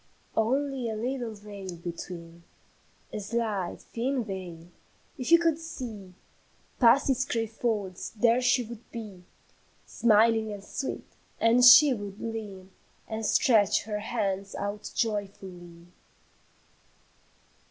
"Only a little veil between, A slight, thin veil; if you could see Past its gray folds, there she would be, Smiling and sweet, and she would lean And stretch her hands out joyfully.